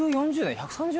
１３０年？